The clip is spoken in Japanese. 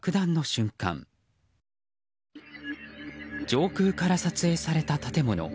上空から撮影された建物。